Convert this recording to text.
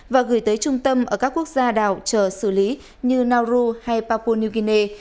và gửi tới trung tâm ở các quốc gia đảo chờ xử lý như nau hay papua new guinea